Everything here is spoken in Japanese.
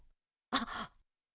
あっ！